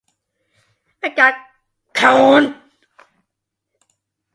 We got Cone!